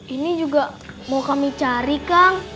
ini juga mau kami cari kang